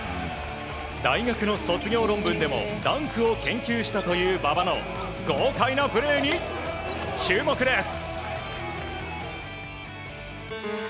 大学の卒業論文でもダンクを研究したという馬場の豪快なプレーに注目です。